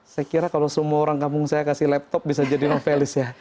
saya kira kalau semua orang kampung saya kasih laptop bisa jadi novelis ya